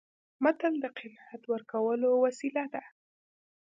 متل د قناعت ورکولو وسیله ده